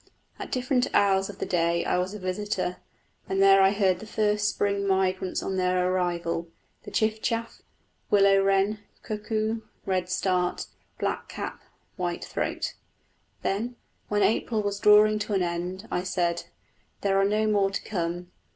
At different hours of the day I was a visitor, and there I heard the first spring migrants on their arrival chiff chaff, willow wren, cuckoo, redstart, blackcap, white throat. Then, when April was drawing to an end, I said, There are no more to come.